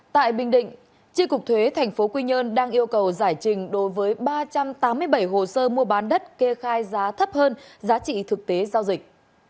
tại bình định tri cục thuế tp quy nhơn đang yêu cầu giải trình đối với ba trăm tám mươi bảy hồ sơ mua bán đất kê khai giá thấp hơn giá trị thực tế giao dịch